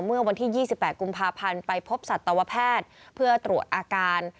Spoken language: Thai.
เมื่อวันที่๒๘กุมภาพันธ์ไปพบสัตวแพทย์เพื่อตรวจอาการ